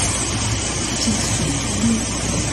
捷船街